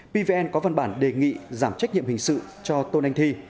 pvn có văn bản đề nghị giảm trách nhiệm hình sự cho tôn anh thi